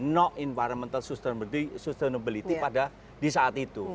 no environmental sustainability pada di saat itu